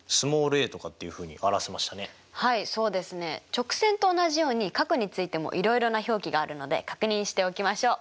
直線と同じように角についてもいろいろな表記があるので確認しておきましょう。